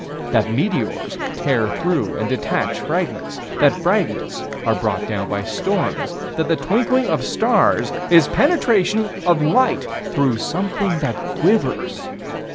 That meteors tear through and detach fragments? That fragments are brought down by storms? That the twinkling of stars is penetration of light through something that quivers?